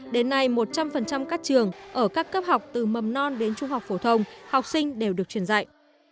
đến nay một trăm linh các trường ở các cấp học từ mầm non đến trung học phổ thông học sinh đều được truyền dạy